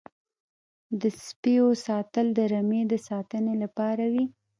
د سپیو ساتل د رمې د ساتنې لپاره وي.